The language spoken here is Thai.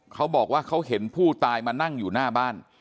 เขาบอกว่าเขาเห็นผู้ตายมานั่งอยู่หน้าบ้าน